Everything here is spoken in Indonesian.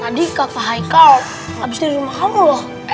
tadi kakak haikal abis dari rumah kamu loh